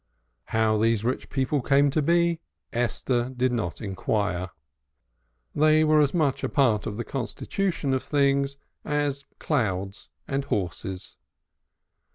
How these rich people came to be, Esther did not inquire; they were as much a part of the constitution of things as clouds and horses.